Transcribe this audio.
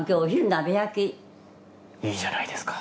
いいじゃないですか。